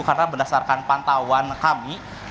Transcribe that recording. karena berdasarkan pantauan kami